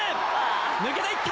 抜けていった！